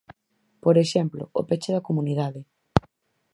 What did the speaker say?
Por exemplo, o peche da comunidade.